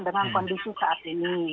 dengan kondisi saat ini